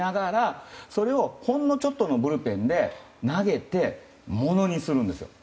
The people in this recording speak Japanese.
それをほんのちょっとブルペンで投げてものにするんですよ。